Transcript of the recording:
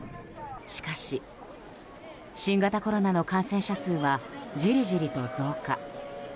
しかし、新型コロナの感染者数はじりじりと増加。